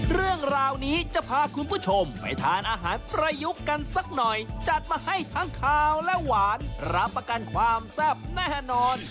เรื่องราวนี้จะพาคุณผู้ชมไปทานอาหารประยุกต์กันสักหน่อยจัดมาให้ทั้งขาวและหวานรับประกันความแซ่บแน่นอน